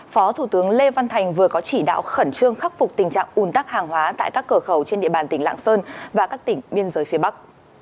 phó thủ tướng lê văn thành vừa có chỉ đạo khẩn trương khắc phục tình trạng ùn tắc hàng hóa tại các cửa khẩu trên địa bàn tỉnh lạng sơn và các tỉnh biên giới phía bắc